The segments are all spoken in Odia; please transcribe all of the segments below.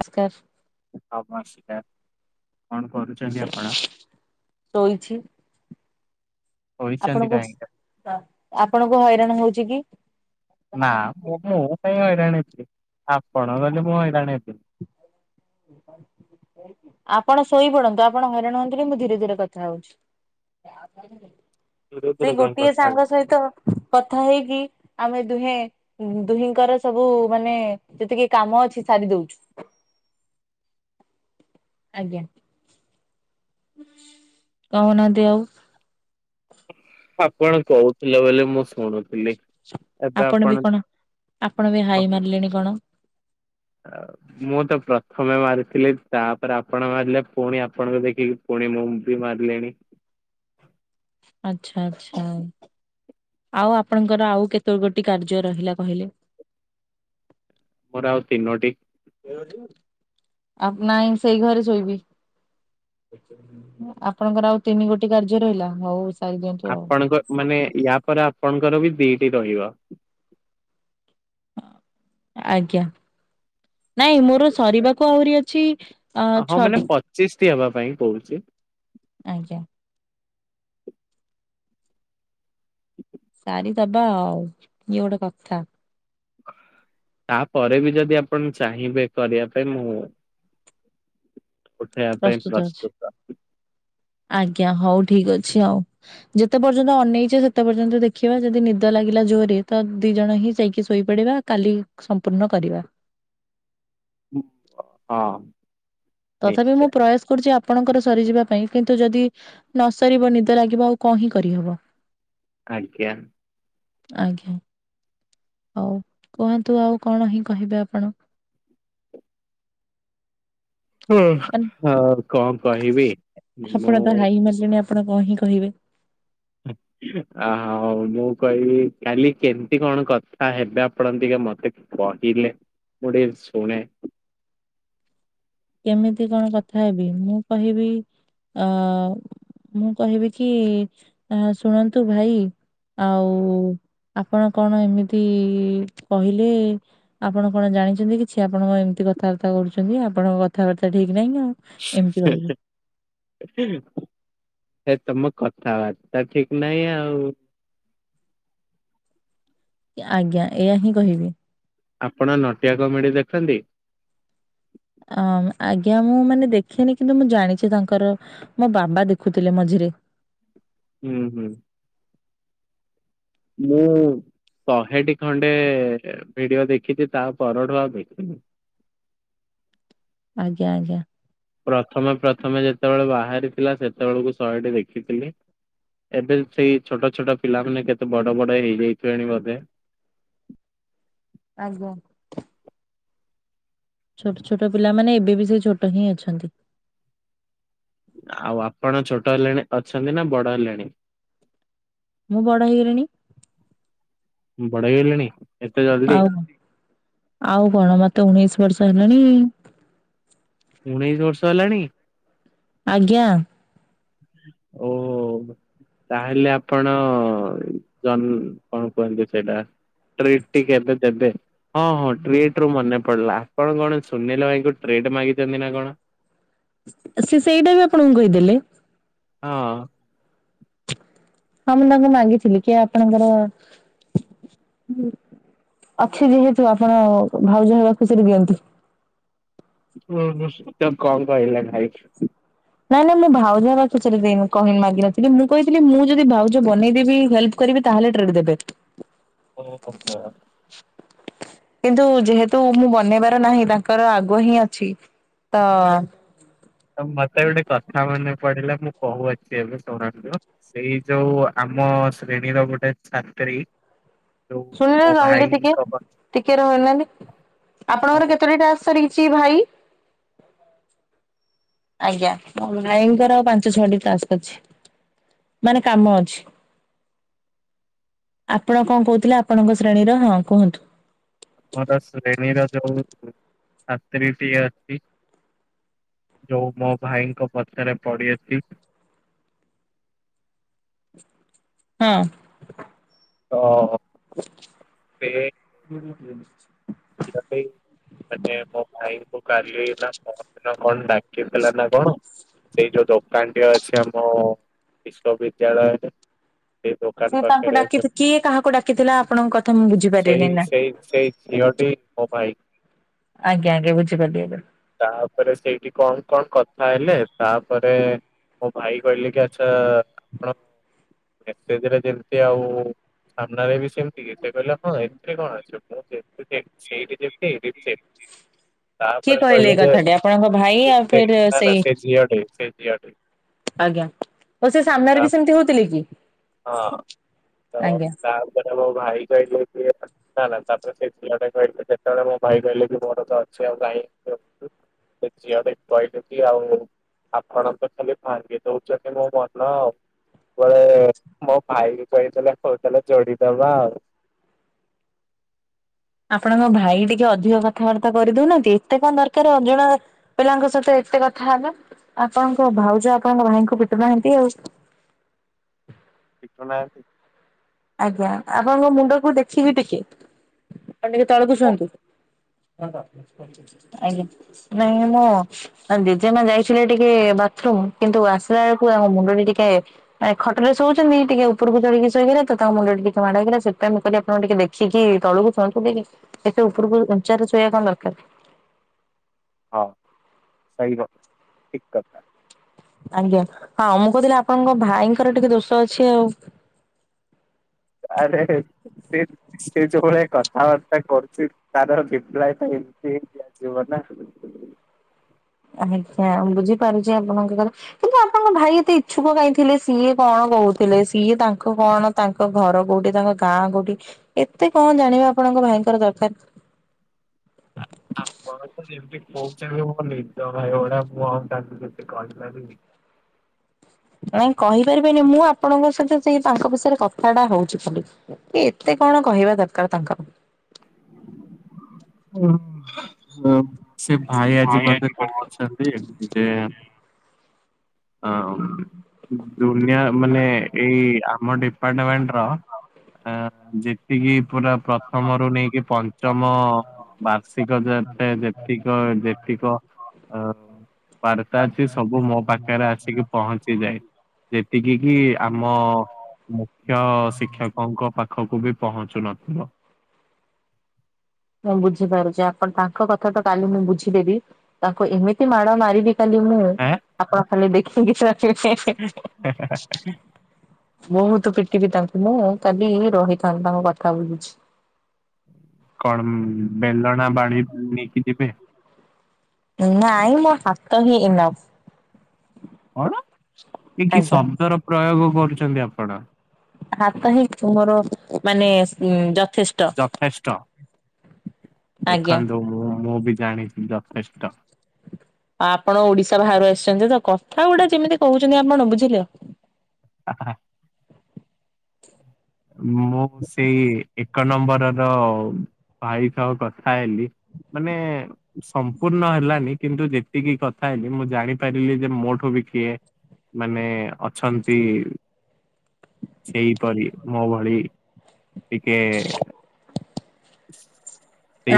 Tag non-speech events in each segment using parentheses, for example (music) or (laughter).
ନମସ୍କାର। ନମସ୍କାର୍। କଣ କରୁଚନ୍ତି ଆପଣ? ଶୋଇଛି। ଶୋଇଛନ୍ତି ଆପଣଙ୍କୁ କାହିଁକି? ଆପଣଙ୍କୁ ହଇରାଣ ହଉଚି କି? ନା ମୁଁ ମୁଁ କାଇଁ ହଇରାଣ ହେବି। ଆପଣ କଲେ ମୁଁ ହଇରାଣ ହେବିନି। (inaudible) ଆପଣ ଶୋଇପଡନ୍ତୁ ଆପଣ ହଇରାଣ ହୁଅନ୍ତୁନି ମୁଁ ଧୀରେ ଧୀରେ କଥା ହଉଚି। ଧୀରେ ଧୀରେ ସେଇ କାଇଁ ଗୋଟିଏ କଥା ହେବେ। ସାଙ୍ଗ ସହିତ କଥା ହେଇକି ଆମେ ଦୁହେଁ ଦୁହିଁଙ୍କର ସବୁ ମାନେ ଯେତିକି କାମ ଅଛି ସାରି ଦୋଉଚୁ। ଆଜ୍ଞା। କହୁ ନାହାଁନ୍ତି ଆଉ। ଆପଣ କହୁଥିଲେ ବୋଲି ମୁଁ ଶୁଣୁଥିଲି। ଆପଣ ବି କଣ ଆପଣ ବି ହାଇ ମାରିଲେଣି କଣ? ମୁଁ ତ ପ୍ରଥମେ ମାରିଥିଲି, ତାପରେ ଆପଣ ମାରିଲେ ପୁଣି ଆପଣଙ୍କୁ ଦେଖିକି ଫୁଣି ମୁଁ ବି ମାରିଲିଣି। ଆଛା ଆଚ୍ଛା ଆଉ ଆପଣଙ୍କର ଆଉ କେତୋ ଗୋଟି କାର୍ଯ୍ୟ ରହିଲା କହିଲେ? ମୋର ଆଉ ତିନୋଟି ଆଉ ନାଇଁ ସେଇ ଘରେ ଶୋଇବି। ଆପଣଙ୍କର ଆଉ ତିନି ଗୋଟି କାର୍ଯ୍ୟ ରହିଲା। ହଉ ସାରି ଦିଅନ୍ତୁ ଆଉ। ଆପଣଙ୍କ ମାନେ ୟା ପରେ ଆପଣଙ୍କର ବି ଦିଟି ରହିବ। ଆଜ୍ଞା। ନାଇଁ ମୋର ସରିବାକୁ ଆହୁରି ଅଛି ଅ ହଁ ଛଅଟି ମାନେ ପଚିଶ ଟି ହେବା ପାଇଁ କହୁଚି। ଆଜ୍ଞା। ସାରିଦବା ଆଉ ଇଏ ଗୋଟେ କଥା। ତାପରେ ବି ଯଦି ଆପଣ ଚାହିଁବେ କରିବା ପାଇଁ ମୁଁ ଉଠେଇବା ପାଇଁ ପ୍ରସ୍ତୁତ। ଆଜ୍ଞା ହଉ ଠିକ ଅଛି ଆଉ। ଯେତେ ପର୍ଯ୍ୟନ୍ତ ଅନେଇଛ ସେତେ ପର୍ଯ୍ୟନ୍ତ ଦେଖିବା। ଯଦି ନିଦ ଲାଗିଲା ଜୋରରେ ତ ଦି ଜଣ ହିଁ ଯାଇକି ଶୋଇପଡିବା। କାଲି ସମ୍ପୂର୍ଣ୍ଣ କରିବା। ହଁ। ତଥାପି ମୁଁ ନିଶ୍ଚୟ ପ୍ରୟାସ କରୁଚି ଆ ପଣଙ୍କର ସରିଯିବା ପାଇଁ, କିନ୍ତୁ ଯଦି ନ ସରିବ ନିଦ ଲାଗିବ ଆଉ କ ହିଁ କରିହବ। ଆଜ୍ଞା। ଆଜ୍ଞା। ହଉ କୁହନ୍ତୁ ଆଉ କଣ ହିଁ କହିବେ ଆପଣ। ହ ମାନେ ହ କଣ କହିବି ମୁଁ (unintelligible) ଆପଣ କଣ ହିଁ କହିବେ? ହଁ। ଆ ହଉ ମୁଁ କହିବି କାଲି କେମିତି କଣ କଥା ହେବେ ଆପଣ ଟିକେ ମତେ କହିଲେ ମୁଁ ଟିକେ ଶୁଣେ। କେମିତି କଣ କଥା ହେବି? ମୁଁ କହିବି ଅ ମୁଁ କହିବି କି ଶୁଣନ୍ତୁ ଭାଇ। ଆଉ ଆପଣ କଣ ଏମିତି କହିଲେ ଆପଣ କଣ ଜାଣିଛନ୍ତି କିଛି? ଆପଣଙ୍କ କଣ ଏମିତି କଥାବାର୍ତ୍ତା କରୁଛନ୍ତି? ଆପଣଙ୍କ କଥାବାର୍ତ୍ତା ଠିକ ନାହିଁନ। ହେ, ହେ। ଏ ତୋମ କଥାବାର୍ତ୍ତା ଠିକ ନାହିଁ ଆଉ। ଏ ଆଜ୍ଞା, ଏଇଆ ହିଁ କହିବି। ଆପଣ ନଟିଆ କମିଡି ଦେଖନ୍ତି? ଅ, ଆଜ୍ଞା ମୁଁ ମାନେ ଦେଖିନି, କିନ୍ତୁ ମୁଁ ଜାଣିଛି ତାଙ୍କର ମୋ ବାବା ଦେଖୁଥିଲେ ମଝିରେ। ହୁଁ, ହୁଁ। ମୁଁ ଶହେଟି ଖଣ୍ଡେ ଭିଡିଓ ଦେଖିଛି ତା ପରଠୁ ଆଉ ଦେଖିନି। ଆଜ୍ଞା, ଆଜ୍ଞା। ପ୍ରଥମେ ପ୍ରଥମେ ଯେତେବେଳେ ବାହାରିଥିଲା ସେତେବେଳକୁ ଶହେଟି ଦେଖିଥିଲି। ଏବେ ସେଇ ଛୋଟ ଛୋଟ ପିଲାମାନେ କେତେ ବଡ ବଡ ହେଇଯାଇଥିବେଣି ବୋଧେ। ଆଗ ଛୋଟ ଛୋଟ ପିଲାମାନେ ଏବେ ବି ସେଇ ଛୋଟ ହିଁ ଅଛନ୍ତି। ଆଉ ଆପଣ ଛୋଟ ହେଲେଣି ଅଛନ୍ତି ନା ବଡ ହେଲେଣି? ମୁଁ ବଡ଼ ହେଇଗଲିଣି। ବଡ ହେଇ ଗଲେଣି? ଆଉ କଣ? ଆଉ କଣ ମୋତେ ଉଣେଇଶ ବର୍ଷ ହେଲାଣି। ଉଣେଇଶ ବର୍ଷ ହେଲାଣି? ଆଜ୍ଞା। ଓହୋ, ନା। ତାହେଲେ ଆପଣ ଜନ୍ କଣ କୁହନ୍ତି ସେଇଟା। ଟ୍ରିଟ୍ ଟି କେବେ ଦେବେ? ହଁ, ହଁ ଟ୍ରେଟ୍ ରୁ ମନେ ପଡିଲା ଆପଣ କଣ ସୁନୀଲ ଭାଇଙ୍କୁ ଟ୍ରେଟ୍ ମାଗିଚନ୍ତି ନା କଣ? ସେ ସେଇଟା ବି ଆପଣଙ୍କୁ କହିଦେଲେ। ହଁ। ହଁ ମୁଁ ତାଙ୍କୁ ମାଗିଥିଲି କିଏ ଆପଣଙ୍କର (unintelligible) ଅଛି ଯେହେତୁ ଆପଣ ଭାଉଜ ହେବା ଖୁସିରେ ଦିଅନ୍ତି। ନା ଅବଶ୍ୟ, ତ କଣ କହିଲା ଭାଇ? ନାଇଁ ନାଇଁ ମୋ ଭାଉଜ ର ଖୁସିରେ ଦେଇନୁ, କହି ମାଗିନଥିଲି ମୁଁ କହିଥିଲି ମୁଁ ଯଦି ଭାଉଜ ବନେଇଦେବି ହେଲ୍ପ କରିବି ତାହେଲେ ଟ୍ରିଟ୍ ଦେବେ। ଓ ହୋ, ହୋ। କିନ୍ତୁ ଯେହେତୁ ମୁଁ ବନେଇବାର ନାହିଁ ତାଙ୍କର ଆଗ ହିଁ ଅଛି। ତ ତ ମୋତେ ଗୋଟେ କଥା ମନେ ପଡିଲା, ମୁଁ କହୁଅଛି ଏବେ ଶୁଣନ୍ତୁ। ସେଇ ଯୋଉ ଆମ ଶ୍ରେଣୀର ଗୋଟେ ଛାତ୍ରୀ ଯୋଉ ଶୁଣିଲେ ମୋ ରହିଲେ ଟିକେ, ଭାଇଙ୍କ ଟିକେ ରହୁନାହାନ୍ତି, ଆପଣଙ୍କର ଓହୋ କେତୋଟି ଟାକ୍ସ ସରିିଚି ଭାଇ? ଆଜ୍ଞା ମୋ ଭାଇଙ୍କର ଆଉ ପାଞ୍ଚ ଛଅଟି ଟାସ୍କ ଅଛି। ମାନେ କାମ ଅଛି। ଆପଣ କଣ କହୁଥିଲେ ଆପଣଙ୍କ ଶ୍ରେଣୀର ହଁ କୁହନ୍ତୁ। ମୋର ଶ୍ରେଣୀର ଯୋଉ ଛାତ୍ରୀଟି ଅଛି। ଯୋଉ ମୋ ଭାଇଙ୍କ ପଛରେ ପଡିଅଛି। ହଁ। ଅ-ଅ-ଅ ସେ (inaudible) ଯିବା ପାଇଁ ମାନେ ମୋ ଭାଇଙ୍କୁ କାଲି ନା ପହରଦିନ କଣ ଡାକିଥିଲା ନା କଣ। ସେଇ ଯୋଉ ଦୋକାନଟି ଅଛି ଆମ ବିଶ୍ଵବିଦ୍ୟାଳୟରେ। ସେ ସେ ଦୋକାନ ତାଙ୍କୁ ପାଖେରେ ଡାକି ସେ, କିଏ କାହାକୁ ଡାକିଥିଲା ଆପଣଙ୍କ କଥା ମୁଁ ବୁଝିପାରିଲିନି ନା। ସେଇ-ସେଇ-ସେଇ ସିଓଟି ଓ ଭାଇ। ଆଜ୍ଞା-ଆଜ୍ଞା ବୁଝିପାରିଲି ଏଵେ। ତାପରେ ସେଇଠି କଣ-କଣ କଥା ହେଲେ ତାପରେ ମୋ ଭାଇ କହିଲେ କି ଆଚ୍ଛା-ଆ-ଆ ଆପଣ ମେସେଜରେ ଯେମତି ଆଉ-ଉ-ଉ ସାମ୍ନାରେ ବି ସେମିତିକି, ସେ କହିଲେ ହଁ ଏ ଏଥିରେ କଣ ଅଛି, ମୁଁ ଯେମିତି ସେଇଠି ଯେମିତି ଏଇଠି ବି ସେମିତି, ତା କିଏ ଏଇ କହିଲେ କଥାଟି ଆପଣଙ୍କ ଭାଇ ଆଉ ଯେ ଫେର ନା-ନା ସେଇ ସେ ଝିଅଟେ ସେ ଝିଅଟେ। ଆଜ୍ଞା, ହଉ ସେ ସାମ୍ନାରେ ତା ବି ସେମତି ହଉଥିଲେ କି? ହଁ ତ ଆଜ୍ଞା ତାପରେ ମୋ ଭାଇ କହିଲେ କି ନା-ନା ତାପରେ ସେଇ ପିଲାଟା କହିଲେ ଯେତେବେଳେ ମୋ ଭାଇ କହିଲେ କି ମୋର ତ ଅଛି ଆଉ କାଇଁ (inaudible) ସେ ଝିଅଟେ କହିଲେ କି ଆଉ ଆପଣ ତ ଖାଲି ଭାଙ୍ଗି ଦଉଚନ୍ତି ମୋ ମନ (unintelligible) ମୋ ଭାଇ ବି କହିଦେଲା ତ ତାହେଲେ ଯୋଡିଦବା ଆଉ। ଆପଣଙ୍କ ଭାଇ ଟିକେ ଅଧିକ କଥାବାର୍ତ୍ତା କରି ଦଉନାହାନ୍ତି ଏତେ କଣ ଦରକାର ଅଜଣା ପିଲାଙ୍କ ସହିତ ଏତେ କଥା ହବା, ଆପଣଙ୍କ ଭାଉଜ ଆପଣଙ୍କ ଭାଇଙ୍କୁ ପିଟୁନାହାନ୍ତି ଆଉ। ପିଟୁ ନାହାନ୍ତି? ଆଜ୍ଞା, ଆପଣଙ୍କ ମୁଣ୍ଡକୁ ଦେଖିବି ଟିକେ ଆପଣ ଟିକେ ତଳକୁ ଶୁଅନ୍ତୁ। ଆଜ୍ଞା, ନାଇଁ ମୁଁ ଆଉ ଜେଜେମା ଯାଇଥିଲେ ଟିକେ ବାଥରୁମ କିନ୍ତୁ ଆସିଲା ବେଳକୁ ଆମ ମୁଣ୍ଡଟେ ଟିକେ ଆ ଖଟରେ ଶୋଉଛନ୍ତି ଟିକେ ଉପରକୁ ଚଢ଼ିକି ଶୋଇବେ (unintelligible) ତ ତାଙ୍କ ମୁଣ୍ଡଟେ ଟିକେ ମାଡ଼ ହେଇଗଲା, ସେଥିପାଇ ମୁଁ କହିଲି ଆପଣ ଟିକେ ଦେଖିକି ତଳକୁ ଶୁଅନ୍ତୁ ଟିକେ। ଏତେ ଉପରକୁ ଉଞ୍ଚାରେ ଶୋଇବା କଣ ଦରକାର। ହଁ ସହିକ ଠିକ୍ କଥା। ଆଜ୍ଞା, ହଁ ମୁଁ କହୁଥିଲି ଆପଣଙ୍କ ଭାଇଙ୍କର ଟିକେ ଦୋଷ ଅଛି ଆଉ। ଆରେ ହେଇ ସେ ସେ ଯୋଉ ଭଳି କଥାବାର୍ତ୍ତା କରୁଛି ତାର ରିପ୍ଲାୟ ତ ଏମିତି ହିଁ ଦିଆଯିବ ନା। ହ। ଆଜ୍ଞା, ମୁଁ ବୁଝିପାରୁଛି ଆପଣଙ୍କ କଥା। କିନ୍ତୁ ଆପଣଙ୍କ ଭାଇ ଏତେ ଇଚ୍ଛୁକ କାଇଁ ଥିଲେ ସିଏ କଣ କହୁଥିଲେ, ସିଏ ତାଙ୍କ କଣ ତାଙ୍କ ଘର କୋଉଠି, ତାଙ୍କ ଗାଆଁ କୋଉଠି, ଏତେ କଣ ଜାଣିବା ଆପଣଙ୍କ ଭାଇଙ୍କର ଦରକାର। ଆପଣ‌ ତ ଯେମିତି କହୁଛନ୍ତି ମୋ ନିଜ ଭାଇ ‌ଭଳିଆ ମୁଁ ଆଉ ତାଙ୍କୁ କିଛି କହିପାରିବି? ନାଇଁ କହିପାରିବନି, ମୁଁ ଆପଣଙ୍କ ସହିତ ସେଇ ତାଙ୍କ ବିଷୟରେ କଥାଟା ହଉଛି ବୋଲି। ଏତେ କଣ କହିବା ଦରକାର ତାଙ୍କର। ଓ-ଅ-ଅ ଓ ସେ ଭାଇ ଆଜି ମତେ କହୁଛନ୍ତି (inaudible) ଯେ ଆଁ (unintelligible) ନ୍ୟାୟ ମାନେ ଏଇ ଆମ ଡିପାର୍ଟମେଣ୍ଟର-ଅ ଅଁ ଯି ତିକି ପୁରା ପ୍ରଥମରୁ ନେଇକି ପଞ୍ଚମ ବାର୍ଷିକ ଯେତେ ଯେତିକ ଯେତିକ ଅ-ଅ ବାର୍ତ୍ତା ଅଛି ସବୁ ମୋ ପାଖରେ ଆସିକି ପହଞ୍ଚିଯାଏ। ଯେତିକି କିି ଆମ ମୁଖ୍ୟ ଶିକ୍ଷକଙ୍କ ପାଖକୁ ବି ପହଞ୍ଚୁ ନଥିବ। ମୁଁ ବୁଝିପାରୁଛି ଆପଣ ତାଙ୍କ କଥା ତ କାଲି ମୁଁ ବୁଝିଦେବି ତାଙ୍କୁ ଏମିତି ମାଡ ମାରିବି କାଲି ମୁଁ ଆଁ ଆପଣ ଖାଲି ଦେଖିକିି (unintelligible) ବୋହୁତୁ ପିଟିବି ତାଙ୍କୁ ମୁଁ କାଲି ରହିଥାନ୍ତ ତାଙ୍କ କଥା ବୁଝୁଛି। କଣ ଉଁ ବେଲଣା ବାଡି ନେଇକି ଯିବେ। ନାଇଁ ମୋ ହାତ ହିଁ ଏନଫ୍। କଣ ଇଏ କି ଆଜ୍ଞା। ଶବ୍ଦର ପ୍ରୟୋଗ କରୁଛନ୍ତି ଆପଣ। ହାତ ହିଁ ତୁ ମୋର ମାନେ ସ୍ ଉଁ ଯଥେଷ୍ ଯଥେଷ୍ଟ ଆଜ୍ଞା। ଦେଖନ୍ତୁ ମୁଁ ମୁଁ ବି ଜାଣିଛି ଯଥେଷ୍ଟ। ଆଉ ଆପଣ ଓଡିଶା ବାହାରୁ ଆସିଛନ୍ତି ତ କଥା ଗୁଡା ଯେମିତି କହୁଛନ୍ତି ଆପଣ ବୁଝିଲେ। ଆ ହା ହା। ମୁଁ ସେଇ ଏକ ନମ୍ବରର ଭାଇ ସହ କଥା ହେଲି ମାନେ ସମ୍ପୂର୍ଣ୍ଣ ହେଲାନି କିନ୍ତୁ ଯେତିକି କଥା ହେଲି ମୁଁ ଜାଣିପାରିଲି ଯେ ମୋଠୁ ବି କିଏ ମାନେ ଅଛନ୍ତି ସେଇପରି ମୋ ଭଳି ଟିକେ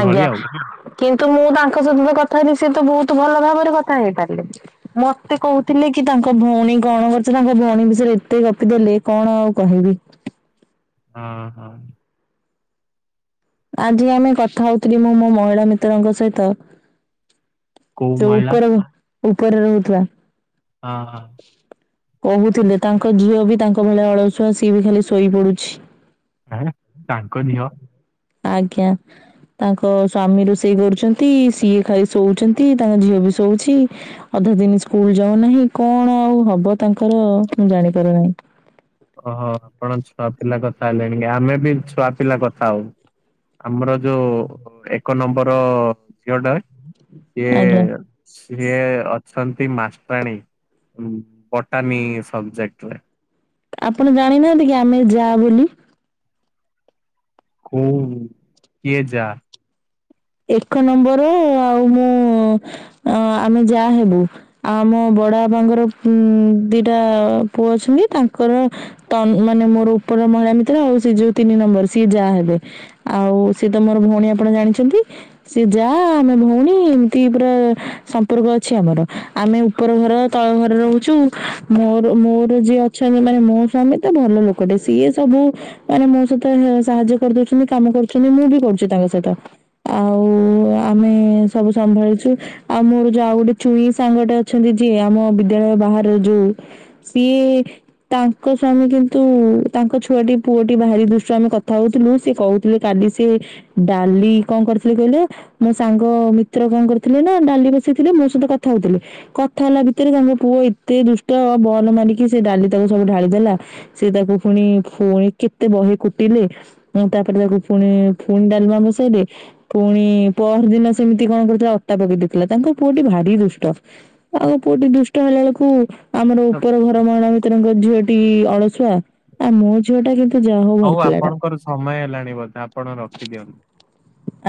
ଆଜ୍ଞା ଆଉ କିନ୍ତୁ ମୁଁ ତାଙ୍କ ସେଦିନ କଥା ହେଇଥିଲି ସିଏ ତ ବୋହୁତୁ ଭଲ ଭାବରେ କଥା ହେଇପାରିଲେ। ମତେ କହୁଥିଲେ କି ତାଙ୍କ ଭଉଣୀ କଣ କରୁଛି ନା ତା ଭଉଣୀ ବିଷେୟେରେ ଏତେ ଗପି ଦେଲି କଣ ଆଉ କହିବି। ହଁ ହଁ। ଆଜି ଆମେ କଥା ହଉଥିଲି ମୁଁ ମୋ ମହିଳା ମିତ୍ରଙ୍କ ସହିତ। କୋଉ ସେ ମହିଳା ଉପେରେ ଉପେରେ ରହୁଥିଲା। ହଁ ହଁ କହୁଥିଲେ ତାଙ୍କ ଝିଅ ବି ତାଙ୍କ ଭଳିଆ ଅଳସୁଆ ସିଏ ବି ଖାଲି ଶୋଇ ପଡୁଛି। ଆଁ ତାଙ୍କ ଝିଅ ଆଜ୍ଞା। ତାଙ୍କ ସ୍ଵାମୀ ରୋଷେଇ କରୁଛନ୍ତି ସିଏ ଖାଇ ଶୋଉଛନ୍ତି ତାଙ୍କ ଝିଅ ବି ଶୋଉଛି। ଅଧା ଦିନି ସ୍କୁଲ ଯାଉ ନାହିଁ କଣ ଆଉ ହବ ତାଙ୍କର ମୁଁ ଜାଣିପାରୁ ନାହିଁ। ଓହୋ ଆପଣ ଛୁଆ ପିଲା କଥା ହେଲେଣି କି ଆମେ ବି ଛୁଆ ପିଲା କଥା ହଉ। ଆମର ଯୋଉ ଏକ ନମ୍ବର ଝିଅଟା ସିଏ ଆଜ୍ଞା ସିଏ ଅଛନ୍ତି ମାଷ୍ଟରାଣୀ ଉଁ ବଟାନୀ ସବଜେକ୍ଟରେ। ଆପଣ ଜାଣିନାହାନ୍ତି କି ଆମେ ଯା ବିଲି। କୋଉ କିଏ ଯା? ଏକ ନମ୍ବର ଆଉ ମୁଁ ଆଁ ଆମେ ଯା ହେବୁ। ଆଉ ମୋ ବଡାଆପାଙ୍କର ହୁଁ ଦିଟା ପୁଅ ଅଛନ୍ତି ତାଙ୍କର ତ ଉଁ ଉଁ ମାନେ ମୋର ଉପର ମହିଳା ମିତ୍ର ଆଉ ସେ ଯୋଉ ତିନି ନମ୍ବର ସିଏ ଯା ହେବେ। ଆଉ ସିଏ ତ ମୋର ଭଉଣୀ ଆପଣ ଜାଣିଛନ୍ତି। ସିଏ ଯା ଆମେ ଭଉଣୀ ଇମିତି ପୁରା ସମ୍ପର୍କ ଅଛି ଆମର। ଆମେ ଉପର ଘର ତଳ ଘର ରହୁ ଚୁ ମୋର ମୋର ଯିଏ ଅଛନ୍ତି ମାନେ ମୋ ସ୍ୱାମୀ ତ ଭଲ ଲୋକଟେ ସିଏ ସବୁ ମାନେ ମୋ ସହିତ (unintelligible) ସାହାଯ୍ୟ କରିଦଉଛନ୍ତି କାମ କରୁଛନ୍ତି ମୁଁ ବି କରୁଛି ତାଙ୍କ ସହିତ ଆଉ ଉଁ ଆମେ ସବୁ ସମ୍ଭାଳିଛୁ। ଆଉ ମୋର ଯୋଉ ଆଉ ଗୋଟେ ଚୁଇଁ ସାଙ୍ଗଟେ ଅଛନ୍ତି ଯିଏ ଆମ ବିଦ୍ୟାଳୟ ବାହର ଯୋଉ ସିଏ ତାଙ୍କ ସ୍ଵାମୀ କିନ୍ତୁ ତାଙ୍କ ଛୁଆଟି ପୁଅଟି ଭାରି ଦୁଷ୍ଟ ଆମେ କଥା ହଉଥିଲୁ ସିଏ କହୁଥିଲେ କାଲି ସିଏ ଡାଲି କଁ କରିଥିଲି କହିଲେ ମୋ ସାଙ୍ଗ ମିତ୍ର କଁ କରିଥିଲେ ନା ଡାଲି ବସେଇଥିଲେ ମୋ ସହିତ କଥା ହଉଥିଲଲେ। କଥା ହେଲା ଭିତରେ ତାଙ୍କ ପୁଅ ଏତେ ଦୁଷ୍ଟ ବଲ ମାରିକି ସେ ଡାଲି ତକ ସବୁ ଢାଳିଦେଲା। ସେ ତାକୁ ଫୁଣି ଫୁଣି କେତେ ବହେ କୁଟିଲେ। ପୁଣି ତାପରେ ତାକୁ ଫୁଣି ଫୁଣି ଡାଲମା ବସେଇଲେ। ପୁଣି ପହର ଦିନ ସେମିତି କଣ କରିଥିଲା ଅଟା ପକେଇ ଦେଇେଇଥିଲା ତାଙ୍କ ପୁଅଟି ଭାରି ଦୁଷ୍ଟ। ତାଙ୍କ ପୁଅଟି ଦୁଷ୍ଟ ହେଲା ବେଳକୁ ଆମର ଉପର ଘର ମହିଳା ମିତ୍ରଙ୍କ ଝିଅଟି ଅଳସୁଆ। ଆଉ ମୋ ଝିଅ ଟା କିନ୍ତୁ ଯାହା ହଉ ଭଲପିଲାଟା। ସମୟ ହେଲାଣି ବୋଧେ ଆପଣ ରଖିଦିଅନ୍ତୁ।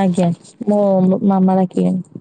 ଆଜ୍ଞା ମୋ ମୋ ମାମା ଡାକିଲେଣି।